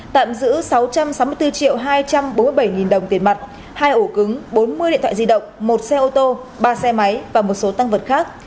tạm giữ sáu trăm sáu mươi bốn hai trăm bốn mươi bảy nghìn đồng tiền mặt hai ổ cứng bốn mươi điện thoại di động một xe ô tô ba xe máy và một số tăng vật khác